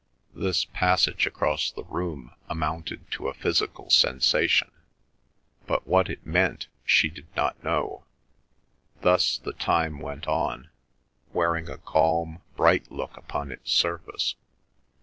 This passage across the room amounted to a physical sensation, but what it meant she did not know. Thus the time went on, wearing a calm, bright look upon its surface.